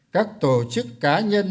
các tổ chức cá nhân